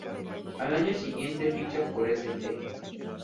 Al año siguiente ficha por St.